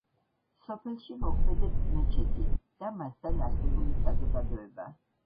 სოფელში მოქმედებს მეჩეთი და მასთან არსებული საზოგადოება.